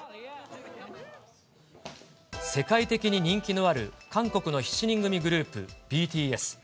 世界的に人気のある韓国の７人組グループ、ＢＴＳ。